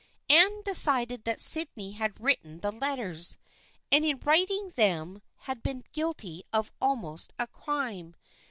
Anne decided that Sydney had written the letters, and in writing them had been guilty of almost a crime.